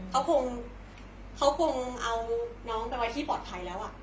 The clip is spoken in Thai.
เขาคงเอาน้องไปวันที่ปลอดภัยแล้ว